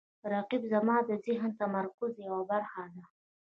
رقیب زما د ذهني تمرکز یوه برخه ده